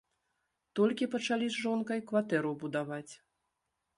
Толькі пачалі з жонкай кватэру будаваць.